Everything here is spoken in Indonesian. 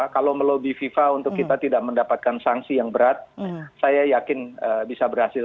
kalau melobi fifa untuk kita tidak mendapatkan sanksi yang berat saya yakin bisa berhasil